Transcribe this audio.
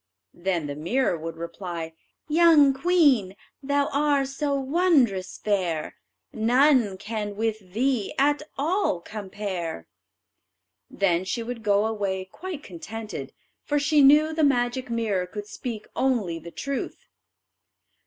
Then the mirror would reply: "Young queen, thou are so wondrous fair, None can with thee at all compare." Then she would go away quite contented, for she knew the magic mirror could speak only the truth.